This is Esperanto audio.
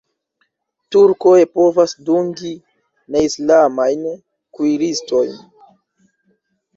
Turkoj povas dungi neislamajn kuiristojn.